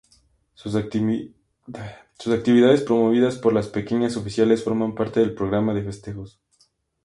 Las actividades promovidas por las peñas oficiales forman parte del programa de festejos.